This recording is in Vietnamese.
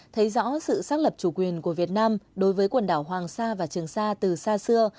thấy rõ sự xác lập chủ quyền của việt nam đối với quần đảo hoàng sa và trường sa từ xa xưa